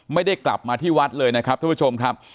ไม่ได้กลับมาที่วัดเลยนะครับท่านผู้ชมครับ